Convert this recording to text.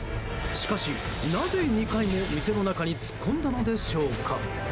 しかし、なぜ２回も店の中に突っ込んだのでしょうか。